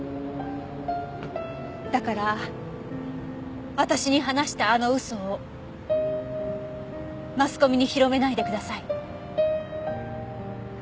だから私に話したあの嘘をマスコミに広めないでください。